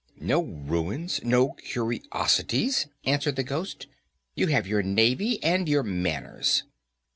"No ruins! no curiosities!" answered the Ghost; "you have your navy and your manners."